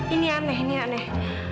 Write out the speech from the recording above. ini aneh ini aneh